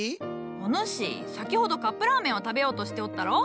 お主先ほどカップラーメンを食べようとしておったろう？